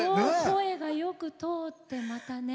声がよく通って、またね。